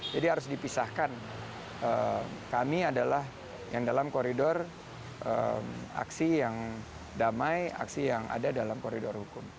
jadi harus dipisahkan kami adalah yang dalam koridor aksi yang damai aksi yang ada dalam koridor hukum